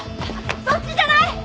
そっちじゃない。